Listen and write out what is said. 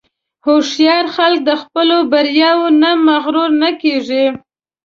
هوښیار خلک د خپلو بریاوو نه مغرور نه کېږي.